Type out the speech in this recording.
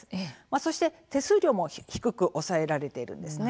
そして、手数料も低く抑えられているんですね。